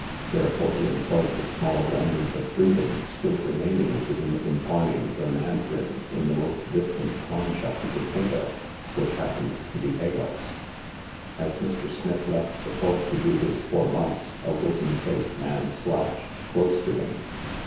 Therefore he employed the small remnant of freedom still remaining to him in pawning the mandarin in the most distant pawn shop he could think of, which happened to be Hagar's. As Mr. Smith left the court to do his four months, a wizen faced man slouched close to him.